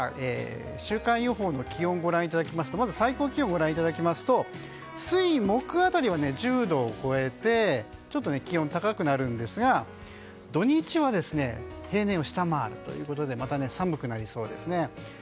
週間予報の気温ご覧いただきますとまず最高気温をご覧いただくと水曜、木曜辺りは１０度を超えて気温が高くなるんですが土日は平年を下回るということで寒くなりそうですね。